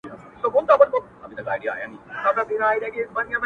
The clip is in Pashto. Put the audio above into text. • ویل دم به دي کړم راسه چي تعویذ د نثار در کړم..